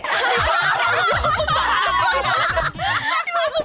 bawa dua pembantu gila lu tuh